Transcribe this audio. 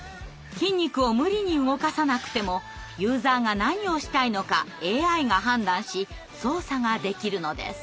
筋肉を無理に動かさなくてもユーザーが何をしたいのかＡＩが判断し操作ができるのです。